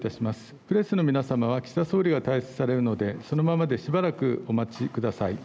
プレスの皆様は岸田総理が退出されるのでそのままでしばらくお待ちください。